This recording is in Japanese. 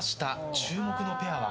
注目のペアは？